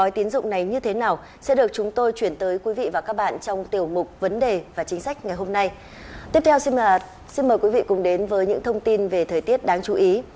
tiếp theo xin mời quý vị cùng đến với những thông tin về thời tiết đáng chú ý